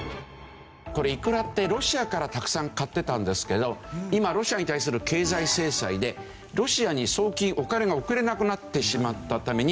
これいくらってロシアからたくさん買ってたんですけど今ロシアに対する経済制裁でロシアに送金お金が送れなくなってしまったために。